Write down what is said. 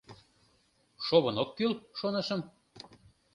Шовын ок кӱл, шонышым.